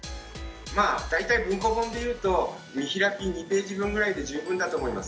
まあ大体文庫本で言うと見開き２ページ分ぐらいで十分だと思います。